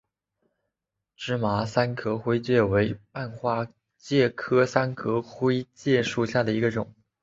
芝麻三壳灰介为半花介科三壳灰介属下的一个种。